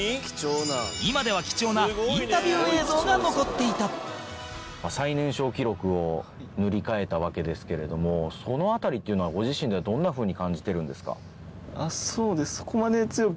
今では貴重なインタビュー映像が残っていた最年少記録を塗り替えたわけですけれどもその辺りというのは、ご自身ではどんな風に感じてるんですか？